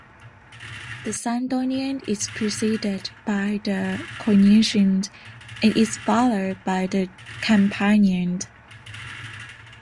The Santonian is preceded by the Coniacian and is followed by the Campanian.